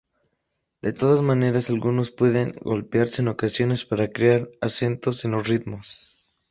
De todas maneras algunos pueden golpearse en ocasiones para crear acentos en los ritmos.